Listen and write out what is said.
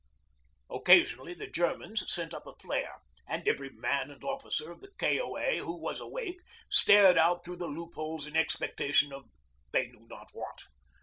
Occasionally the Germans sent up a flare, and every man and officer of the K.O.A. who was awake stared out through the loopholes in expectation of they knew not what.